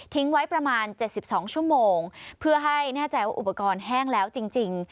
ไว้ประมาณ๗๒ชั่วโมงเพื่อให้แน่ใจว่าอุปกรณ์แห้งแล้วจริง